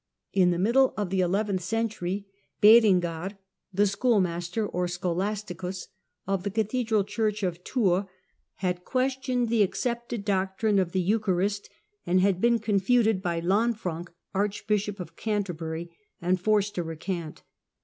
In the middle of the eleventh century Berengar, the schoolmaster (scholasticus) of the cathedral church of Tours, had questioned the accepted doctrine of the Eucharist, and had been con futed by Lanfranc Archbishop of Canterbury, and forced to recant.